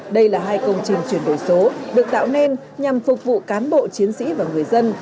đây là hai công trình chuyển đổi số được tạo nên nhằm phục vụ cán bộ chiến sĩ và người dân